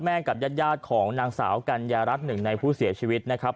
กับญาติของนางสาวกัญญารัฐหนึ่งในผู้เสียชีวิตนะครับ